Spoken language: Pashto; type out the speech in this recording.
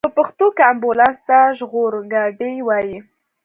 په پښتو کې امبولانس ته ژغورګاډی وايي.